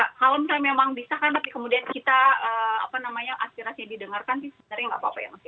kalau misalnya memang disahkan tapi kemudian kita apa namanya aspirasinya didengarkan sih sebenarnya nggak apa apa ya mas ya